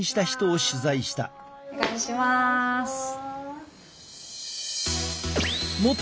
お願いします。